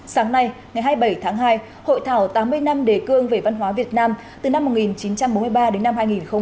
sáng nay ngày hai mươi bảy tháng hai hội thảo tám mươi năm đề cương về văn hóa việt nam từ năm một nghìn chín trăm bốn mươi ba đến năm hai nghìn hai mươi